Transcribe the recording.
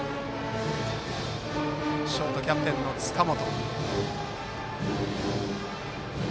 ショートはキャプテンの塚本。